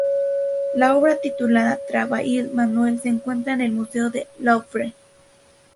La obra titulada "Travail manuel" se encuentra en el Museo del Louvre.